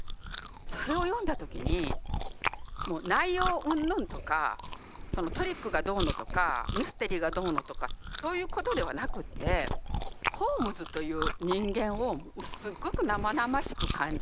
それを読んだ時にもう内容うんぬんとかそのトリックがどうのとかミステリーがどうのとかそういうことではなくってホームズという人間をすっごく生々しく感じて。